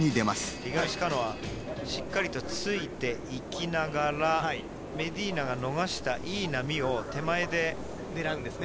五十嵐、しっかりついていきながらメディーナが逃した、いい波を手前で狙うんですね。